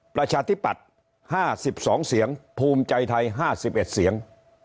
ประชาธิปัตย์๕๒เสียงภูมิใจไทย๕๑เสียง